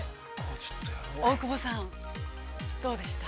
◆大久保さん、どうでした？